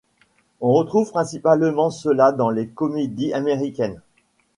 On retrouve principalement cela dans les comédie américaines.